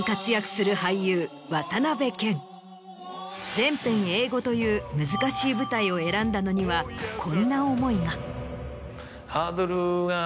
全編英語という難しい舞台を選んだのにはこんな思いが。